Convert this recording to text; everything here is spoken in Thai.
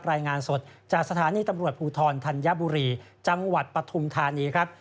รายงานสดจากสถานีตำรวจภูทรธัญบุรีจังหวัดปฐุมธานีครับ